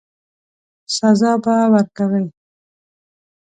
سزا به ورکوي.